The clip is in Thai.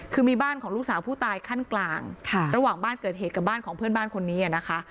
คือมีบ้านของลูกสาวผู้ตายขั้นกลางระหว่างบ้านเกิดเหตุกับบ้านของเพื่อนบ้านคนนี้นะคะ